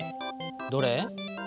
どれ？